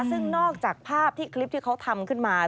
ซึ่งนอกจากภาพที่คลิปที่เขาทำขึ้นมา